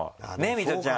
ミトちゃん。